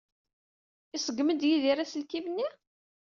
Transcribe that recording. Iṣeggem-d Yidir aselkim-nni?